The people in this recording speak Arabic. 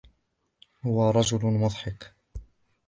هو رجل مضحك.